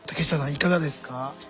いかがですか？